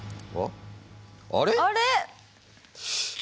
あれ？